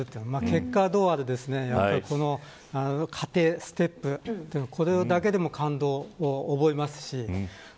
結果はどうあれ過程、ステップだけでも感動を覚えますし